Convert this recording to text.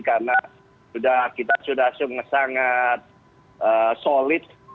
karena kita sudah sangat sulit